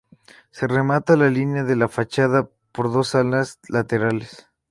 Se remata la línea de la fachada por dos alas laterales.